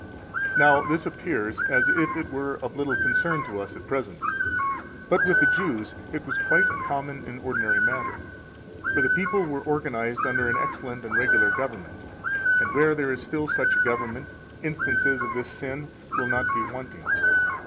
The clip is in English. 258 Now, this appears as if it were of little concern to us at present; but with the Jews it was quite a common and ordinary matter. For the people were organized under an excellent and regular government; and where there is still such a government, instances of this sin will not be wanting.